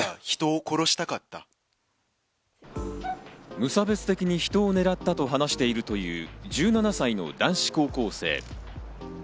無差別的に人を狙ったと話しているという１７歳の男子高校生。